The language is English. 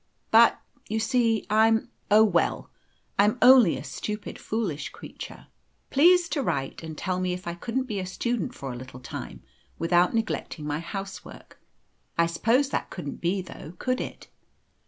But, you see, I'm oh, well! I'm only a stupid, foolish creature. Please to write and tell me if I couldn't be a student for a little time, without neglecting my housework. I suppose that couldn't be, though, could it?